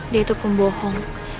dia itu pembohong